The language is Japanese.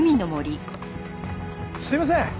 すいません